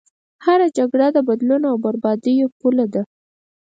هره جګړه د بدلون او بربادیو پوله ده.